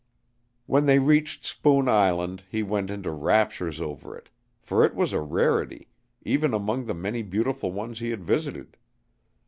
When they reached Spoon Island he went into raptures over it, for it was a rarity, even among the many beautiful ones he had visited.